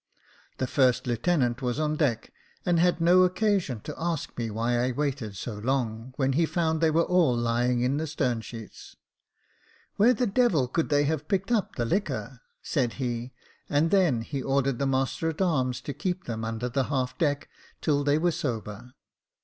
The first lieutenant was on deck, and had no occasion to ask me why I waited so long, when he found they were all lying in the stern sheets. 'Where the devil could they have picked up the liquor ?' said he, and then he ordered the master at arms to keep them under the half deck till they were sober.